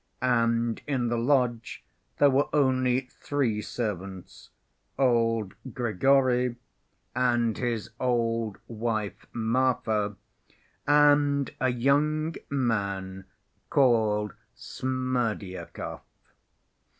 And in the lodge there were only three servants: old Grigory, and his old wife Marfa, and a young man called Smerdyakov.